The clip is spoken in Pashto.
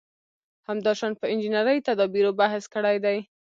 همداشان په انجنیري تدابېرو بحث کړی دی.